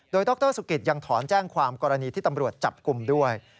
โดยดรสุกิตยังถอนแจ้งความกรณีที่ตำรวจจับกลุ่มด้วย